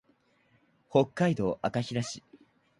北海道赤平市